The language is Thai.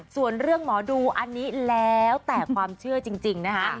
ส่วนเรื่องหมอดูอันนี้แล้วแต่ความเชื่อจริงนะคะ